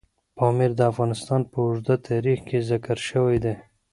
پامیر د افغانستان په اوږده تاریخ کې ذکر شوی دی.